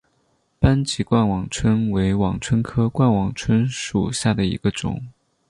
斑脊冠网蝽为网蝽科冠网蝽属下的一个种。